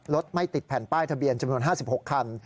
ไม่ติดแผ่นป้ายทะเบียนจำนวน๕๖คัน